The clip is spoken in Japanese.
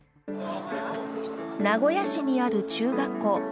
名古屋市にある中学校。